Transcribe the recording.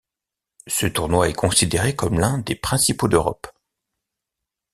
Ce tournoi est considéré comme l'un des principaux d'Europe.